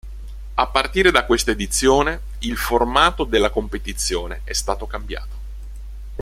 A partire da questa edizione, il formato della competizione è stato cambiato.